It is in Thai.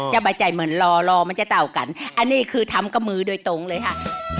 สบายใจเหมือนรอรอมันจะเต่ากันอันนี้คือทำกับมือโดยตรงเลยค่ะ